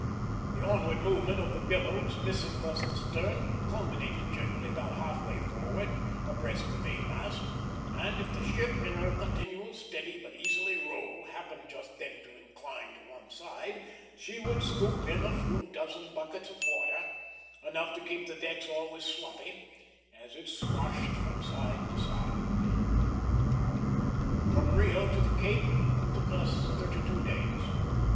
The onward movement of the billows, missing thus the stern, culminated generally about half way forward, abreast the main mast; and if the ship, in her continual steady but easy roll, happened just then to incline to one side, she would scoop in a few dozen buckets of water, enough to keep the decks always sloppy, as it swashed from side to side. From Rio to the Cape took us thirty two days.